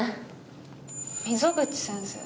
溝口先生。